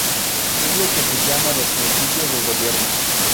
Es lo que se llama los Principios de gobierno.